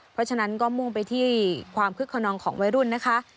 เพราะฉะนั้นก็มุ่งไปที่ความคึกขนองของวัยรุ่นนะคะ